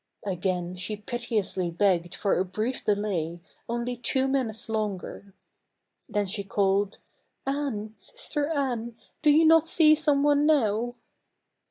Again she piteously begged for a brief delay, only two minutes longer. Then she called, "Anne, sister Anne, do you not see some one now?"